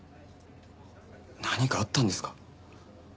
何かあったんですか？